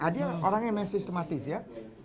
dia orang yang memang sistematis ya